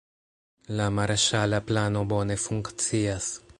La marŝala plano bone funkcias.